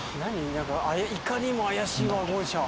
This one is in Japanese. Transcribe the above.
何かいかにも怪しいワゴン車。